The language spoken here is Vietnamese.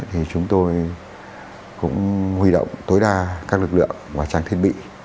thì chúng tôi cũng huy động tối đa các lực lượng và trang thiết bị